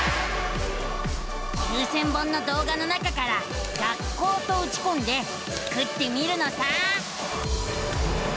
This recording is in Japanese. ９，０００本の動画の中から「学校」とうちこんでスクってみるのさ！